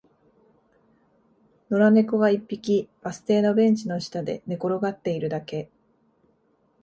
野良猫が一匹、バス停のベンチの下で寝転がっているだけ